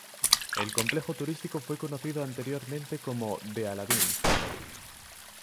El complejo turístico fue conocido anteriormente como The Aladdin.